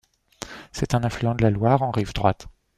C'est un affluent de la Loire en rive droite.